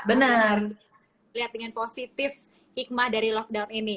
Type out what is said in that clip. melihat dengan positif hikmah dari lockdown ini